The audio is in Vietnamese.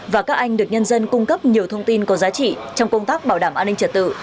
và các anh được nhân dân cung cấp nhiều thông tin có giá trị trong công tác bảo đảm an ninh trật tự